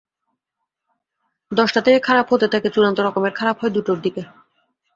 দশটা থেকে খারাপ হতে থাকে, চূড়ান্ত রকমের খারাপ হয় দুটার দিকে।